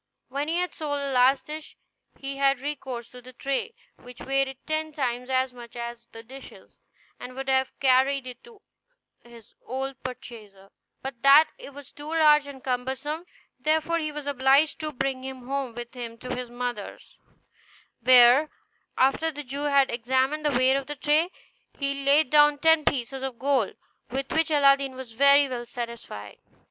When he had sold the last dish he had recourse to the tray, which weighed ten times as much as the dishes, and would have carried it to his old purchaser, but that it was too large and cumbersome; therefore he was obliged to bring him home with him to his mother's, where, after the Jew had examined the weight of the tray, he laid down ten pieces of gold, with which Aladdin was very well satisfied.